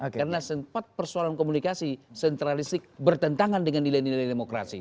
karena sempat persoalan komunikasi sentralistik bertentangan dengan nilai nilai demokrasi